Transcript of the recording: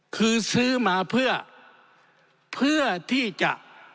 คือซื้อมาเพื่อที่จะ